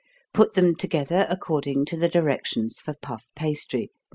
Put them together according to the directions for puff pastry, No.